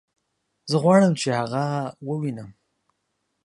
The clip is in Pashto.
زه غواړم چې هغه ووينم